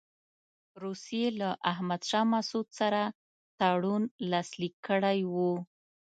روسیې له احمدشاه مسعود سره تړون لاسلیک کړی وو.